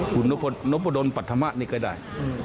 คุณนพดลปัธมะนี่ก็ได้